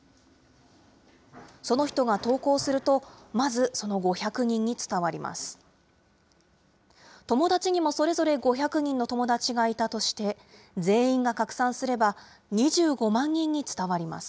その人が投稿すると、まずその５００人に伝わります。